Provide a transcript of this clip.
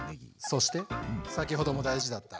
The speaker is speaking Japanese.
そして先ほども大事だった。